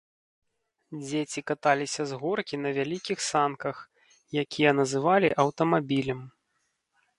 Дзеці каталіся з горкі на вялікіх санках, якія называлі аўтамабілем.